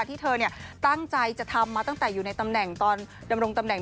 ที่เธอตั้งใจจะทำมาตั้งแต่อยู่ในตำแหน่งตอนดำรงตำแหน่ง